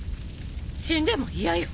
死んでも嫌よ。